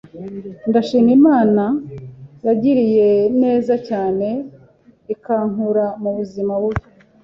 Ndashima Imana yangiriye neza cyne ikankura mu buzima bubi